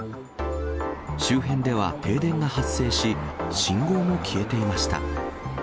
周辺では、停電が発生し、信号も消えていました。